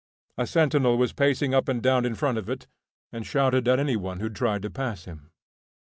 A sentinel was pacing up and down in front of it, and shouted at any one who tried to pass him.